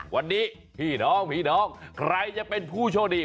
วันนี้พี่น้องใครจะเป็นผู้โชคดี